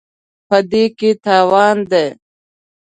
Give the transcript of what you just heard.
په دې کې تاوان دی.